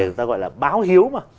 người ta gọi là báo hiếu mà